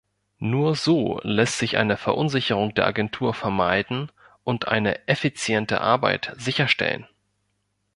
Nur so lässt sich eine Verunsicherung der Agentur vermeiden und eine effiziente Arbeit sicherstellen.